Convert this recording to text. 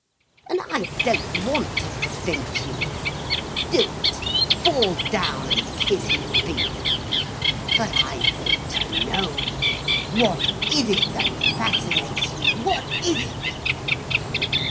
And I don't want to prevent you—do it, fall down and kiss his feet. But I want to know, what it is that fascinates you—what is it?"